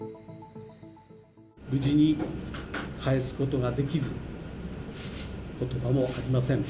無事に帰すことができず、ことばもありません。